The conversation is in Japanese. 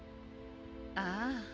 ああ。